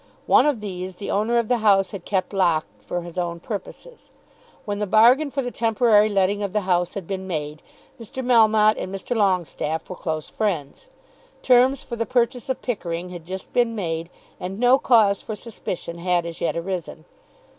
One of these the owner of the house had kept locked for his own purposes. When the bargain for the temporary letting of the house had been made, Mr. Melmotte and Mr. Longestaffe were close friends. Terms for the purchase of Pickering had just been made, and no cause for suspicion had as yet arisen.